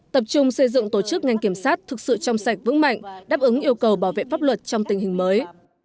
tập trung xây dựng tổ chức ngành kiểm sát thực sự trong sạch vững mạnh đáp ứng yêu cầu bảo vệ pháp luật trong tình hình mới